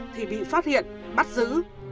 thì bị phát hiện bắt giữ